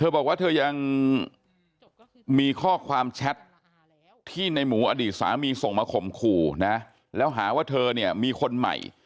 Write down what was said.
บอกว่าเธอยังมีข้อความแชทที่ในหมูอดีตสามีส่งมาข่มขู่นะแล้วหาว่าเธอเนี่ยมีคนใหม่